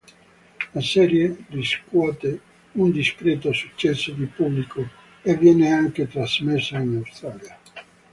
La serie riscuote un discreto successo di pubblico, e viene anche trasmessa in Australia.